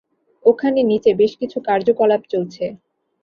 ওখানে নিচে বেশ কিছু কার্যকলাপ চলছে।